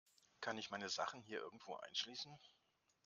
Kann ich meine Sachen hier irgendwo einschließen?